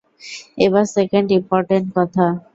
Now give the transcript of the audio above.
এবার second important কথা।